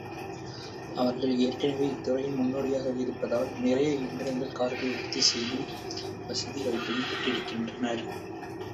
அவர்கள் ஏற்கனவே இத்துறைகளில் முன்னோடிகளாக இருப்பதால் நிறைய எந்திரங்களைக் கார்களை உற்பத்தி செய்யும் வசதி வாய்ப்புகள் பெற்றிருக்கின்றனர்.